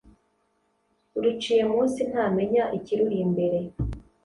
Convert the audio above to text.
Uruciye munsi ntamenya ikiruri imbere